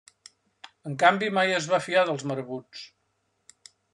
En canvi mai es va fiar dels marabuts.